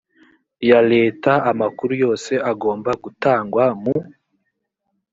ya leta amakuru yose agomba gutangwa mu